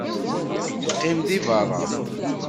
Qqim deg beṛṛa.